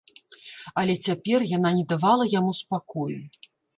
Але цяпер яна не давала яму спакою.